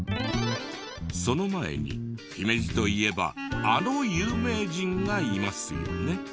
その前に姫路といえばあの有名人がいますよね。